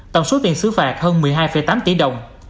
tổng số tiền xứ phạt hơn một mươi hai tám tỷ đồng